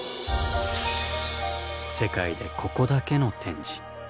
世界でここだけの展示。